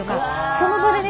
その場でね